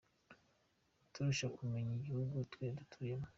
Uturusha kumenya igihugu twe dutuyemo ?